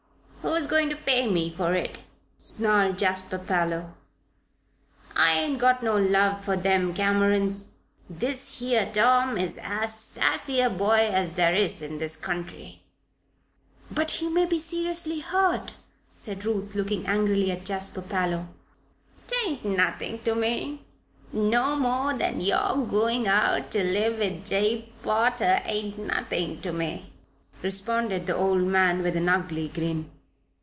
"Who's going to pay me for it?" snarled Jasper Parloe. "I ain't got no love for them Camerons. This here Tom is as sassy a boy as there is in this county." "But he may be seriously hurt," said Ruth, looking angrily at Jasper Parloe. "'Tain't nothin' to me no more than your goin' out ter live with Jabe Potter ain't nothin' to me," responded the old man, with an ugly grin.